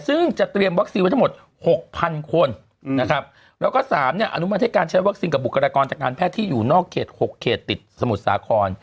ซึ่งจะเตรียมวัคซีนไว้ทั้งหมดหกพันคนนะครับแล้วก็สามเนี่ยอนุมัติให้การใช้วัคซีนกับบุคลากรจากการแพทย์ที่อยู่นอกเขต๖เขตติดสมุทรสาคร